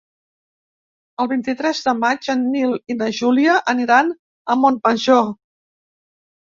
El vint-i-tres de maig en Nil i na Júlia aniran a Montmajor.